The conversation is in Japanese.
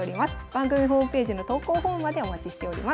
番組ホームページの投稿フォームまでお待ちしております。